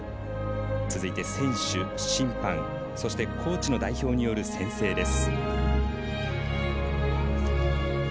続いて、選手、審判そして、コーチの代表による宣誓です。